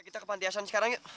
kita ke pantiasuhan sekarang yuk